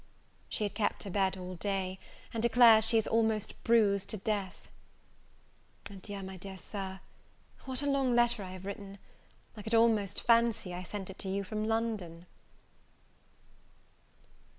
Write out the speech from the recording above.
She had kept her bed all day, and declares she is almost bruised to death. Adieu, my dear Sir. What a long letter have I written! I could almost fancy I sent it to you from London!